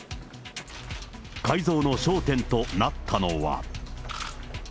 改造の焦点となったのは。